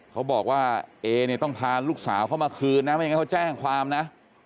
เขาบอกว่าเอเนี่ยต้องพาลูกสาวเขามาคืนนะไม่งั้นเขาแจ้งความนะ